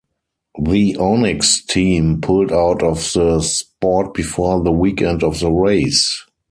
The Onyx team pulled out of the sport before the weekend of the race.